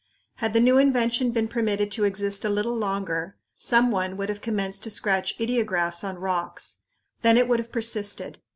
Had the new invention been permitted to exist a little longer, some one would have commenced to scratch ideographs on rocks. Then it would have persisted.